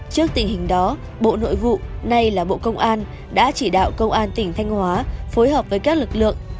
trước tình hình đó bộ nội vụ nay là bộ công an đã chỉ đạo công an tỉnh thanh hóa phối hợp với các lực lượng